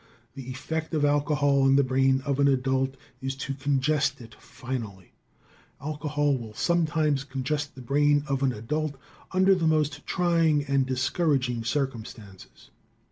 The effect of alcohol on the brain of an adult is to congest it finally. Alcohol will sometimes congest the brain of an adult under the most trying and discouraging circumstances.